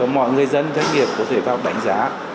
mọi người dân doanh nghiệp có thể vào đánh giá